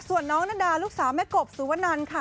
ส่วนน้องนาดาลูกสาวแม่กบสุวนันค่ะ